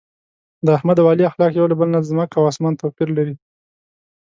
د احمد او علي اخلاق یو له بل نه ځمکه او اسمان توپیر لري.